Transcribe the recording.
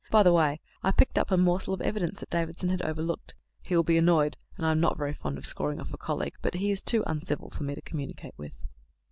By the way, I picked up a morsel of evidence that Davidson had overlooked. He will be annoyed, and I am not very fond of scoring off a colleague; but he is too uncivil for me to communicate with."